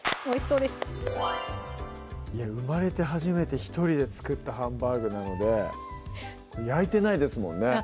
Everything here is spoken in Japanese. おいしそうです生まれて初めて一人で作ったハンバーグなので焼いてないですもんね